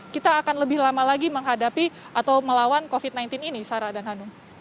kita akan lebih lama lagi menghadapi atau melawan covid sembilan belas ini sarah dan hanum